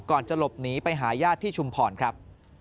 ก่อนจะหลบหนีไปหายาดที่ชุมผ่อนครับ